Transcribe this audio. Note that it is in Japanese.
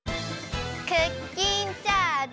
クッキンチャージ！